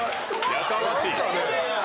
やかましい。